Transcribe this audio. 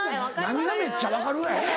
何が「めっちゃ分かる」やえぇ？